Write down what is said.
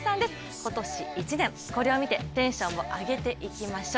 今年１年、これを見てテンションを上げていきましょう。